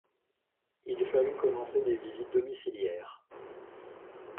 Il fallut commencer des visites domiciliaires.